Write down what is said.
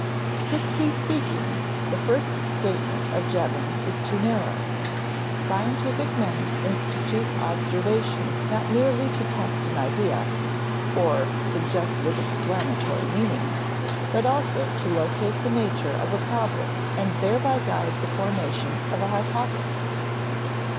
Strictly speaking, the first statement of Jevons is too narrow. Scientific men institute observations not merely to test an idea (or suggested explanatory meaning), but also to locate the nature of a problem and thereby guide the formation of a hypothesis.